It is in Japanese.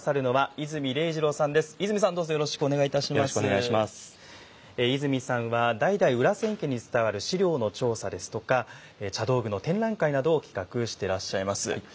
伊住さんは代々裏千家に伝わる資料の調査ですとか茶道具の展覧会などを企画してらっしゃいます。